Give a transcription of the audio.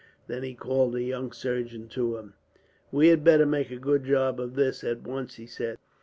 Then he called a young surgeon to him. "We had better make a good job of this, at once," he said.